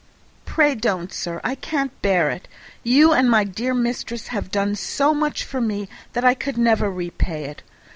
"Pray, don't, sir, I can't bear it; you and my dear mistress have done so much for me that I could never repay it.